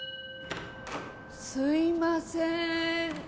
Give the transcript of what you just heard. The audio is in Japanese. すいません。